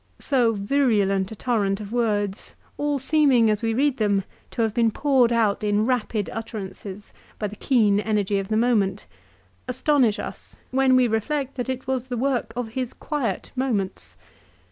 So virulent a torrent of words, all seeming, as we read them, to have been poured out in rapid utterances by the keen energy of the moment, astonish us, when we reflect that it was the work of his quiet moments.